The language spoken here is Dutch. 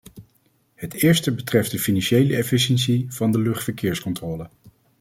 Het eerste betreft de financiële efficiency van de luchtverkeerscontrole.